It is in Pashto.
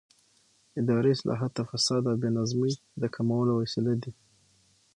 اداري اصلاحات د فساد او بې نظمۍ د کمولو وسیله دي